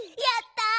やった！